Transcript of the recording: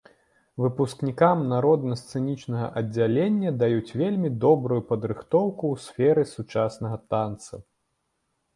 Выпускнікам народна-сцэнічнага аддзялення даюць вельмі добрую падрыхтоўку ў сферы сучаснага танца.